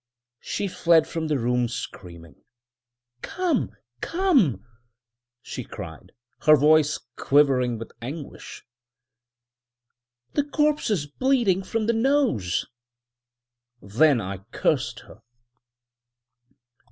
She fled from the room screaming. "Come! come!" she cried, her voice quivering with anguish. "The corpse is bleeding from the nose." Then I cursed her.